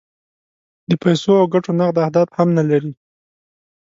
د پیسو او ګټو نغد اهداف هم نه لري.